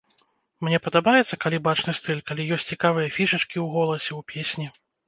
Мне падабаецца, калі бачны стыль, калі ёсць цікавыя фішачкі у голасе, у песні.